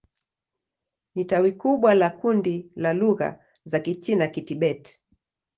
Ni tawi kubwa la kundi la lugha za Kichina-Kitibet.